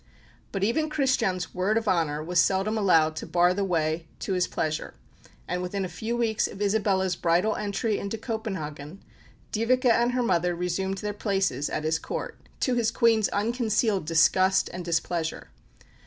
But even Christian's word of honour was seldom allowed to bar the way to his pleasure, and within a few weeks of Isabella's bridal entry into Copenhagen, Dyveke and her mother resumed their places at his Court, to his Queen's unconcealed disgust and displeasure.